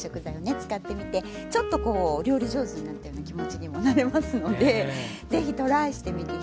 使ってみてちょっとこうお料理上手になったような気持ちにもなれますので是非トライしてみて頂きたいですね。